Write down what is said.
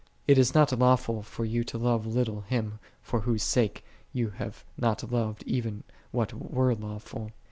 It is not lawful for you to love little Him, for Whose sake ye have not oved even what were lawful.